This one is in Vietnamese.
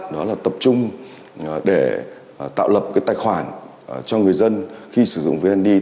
đó là tập trung để tạo lập cái tài khoản cho người dân khi sử dụng vnaid